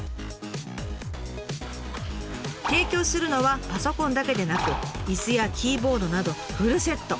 提供するのはパソコンだけでなく椅子やキーボードなどフルセット！